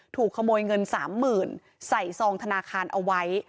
ถูกขโมยเงิน๓๐๐๐ใส่ซองธนาคารเอาไว้